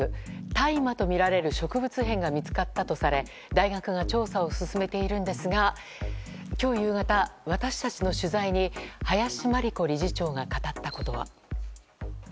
大麻とみられる植物片が見つかったとされ大学が調査を進めているんですが今日夕方、私たちの取材に林真理子理事長が語ったことは。